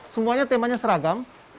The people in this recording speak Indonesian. semuanya temanya seragam